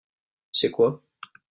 C'est quoi ?